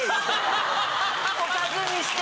「おかず見して」